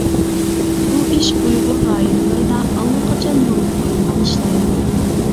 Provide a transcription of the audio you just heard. بۇ ئىش ئۇيغۇر رايونلىرىدا ئاللىقاچان يولغا قويۇلغان ئىشلار ئىدى.